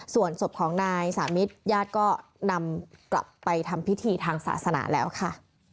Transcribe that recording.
ส่วนศพของนายสามิตรญาติก็นำกลับไปทำพิธีทางศาสนาแล้วค่ะ